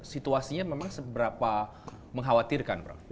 situasinya memang seberapa mengkhawatirkan prof